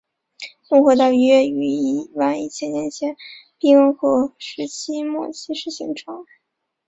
东河大约于一万一千年前冰河时期末期时形成。